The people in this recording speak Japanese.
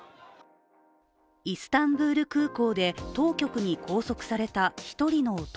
イスタンブール空港で当局に拘束された１人の男。